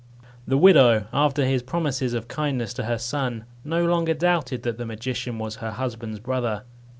The widow, after his promises of kindness to her son, no longer doubted that the magician was her husband's brother.